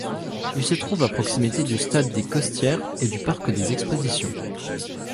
Il se trouve à proximité du stade des Costières et du parc des expositions.